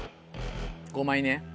５枚ね。